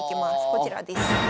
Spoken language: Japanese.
こちらです。